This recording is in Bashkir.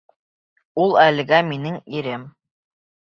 Ул әлегә минең ирем!